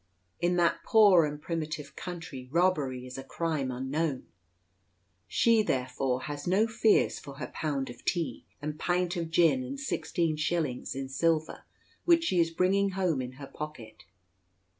In that poor and primitive country robbery is a crime unknown. She, therefore, has no fears for her pound of tea, and pint of gin, and sixteen shillings in silver which she is bringing home in her pocket.